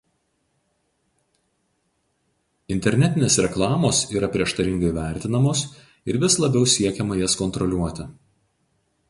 Internetinės reklamos yra prieštaringai vertinamos ir vis labiau siekiama jas kontroliuoti.